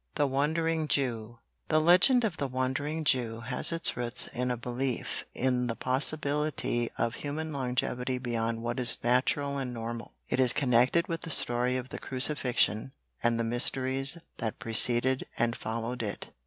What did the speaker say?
THE WANDERING JEW The legend of the Wandering Jew has its roots in a belief in the possibility of human longevity beyond what is natural and normal. It is connected with the story of the Crucifixion and the mysteries that preceded and followed it.